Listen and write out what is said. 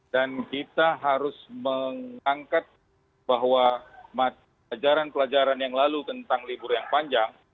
dan kita harus mengangkat bahwa pelajaran pelajaran yang lalu tentang libur yang panjang